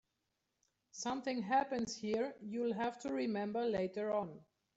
Something happens here you'll have to remember later on.